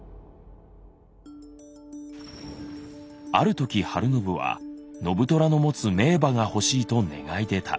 ある時晴信は信虎の持つ名馬が欲しいと願い出た。